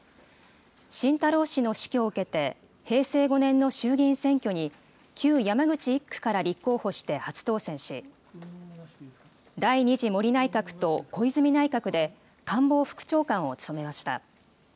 晋太郎氏の死去を受けて、平成５年の衆議院選挙に、旧山口１区から立候補して初当選し、第２次森内閣と小泉内閣で、官房副長官を務めました。